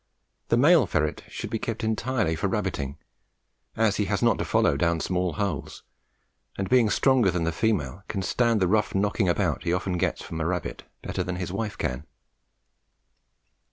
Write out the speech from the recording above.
The male ferret should be kept entirely for rabbiting, as he has not to follow down small holes, and being stronger than the female can stand the rough knocking about he often gets from a rabbit better than his wife can.